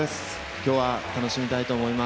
今日は楽しみたいと思います。